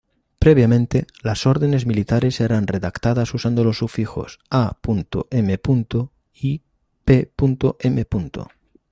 Previamente, las órdenes militares eran redactadas usando los sufijos "a. m." y "p. m.".